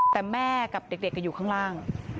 แต่แม่กับเด็กอยู่ข้างล่าง